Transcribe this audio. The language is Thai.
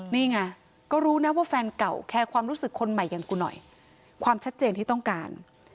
นี่ไงก็รู้นะว่าแฟนเก่าแคร์ความรู้สึกคนใหม่อย่างกูหน่อยความชัดเจนที่ต้องการ